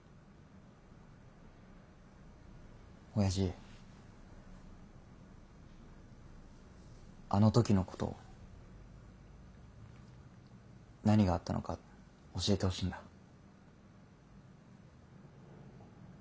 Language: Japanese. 親父あの時のこと何があったのか教えてほしいんだ。